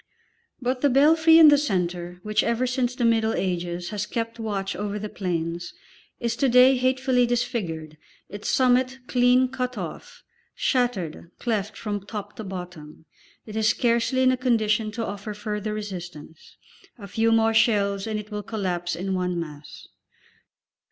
But the belfry in the centre, which ever since the Middle Ages has kept watch over the plains, is to day hatefully disfigured, its summit clean cut off, shattered, cleft from top to bottom. It is scarcely in a condition to offer further resistance; a few more shells, and it will collapse in one mass.